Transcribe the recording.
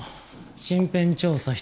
身辺調査人